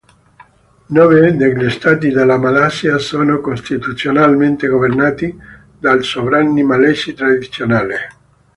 Nove degli Stati della Malaysia sono costituzionalmente governati dai sovrani malesi tradizionali.